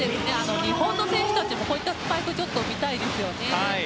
日本の選手たちもこういったスパイク見たいですよね。